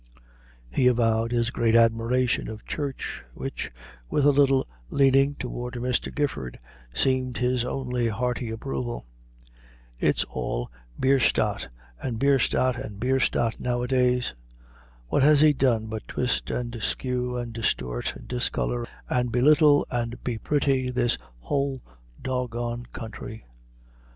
He avowed his great admiration of Church, which, with a little leaning toward Mr. Gifford, seemed his only hearty approval. "It's all Bierstadt, and Bierstadt, and Bierstadt nowadays! What has he done but twist and skew and distort and discolor and belittle and be pretty this whole dog gonned country?